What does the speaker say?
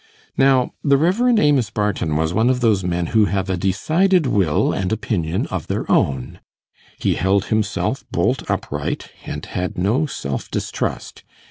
Now, the Rev. Amos Barton was one of those men who have a decided will and opinion of their own; he held himself bolt upright, and had no self distrust.